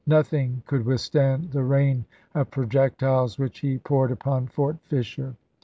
Nothing could withstand the voi. x!, rain of projectiles which he poured upon Fort Fisher.